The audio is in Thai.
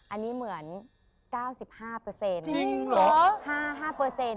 อันนี้เหมือน๙๕เปอร์เซ็นต์